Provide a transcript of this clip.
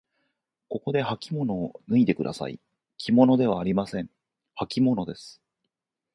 ここではきものを脱いでください。きものではありません。はきものです。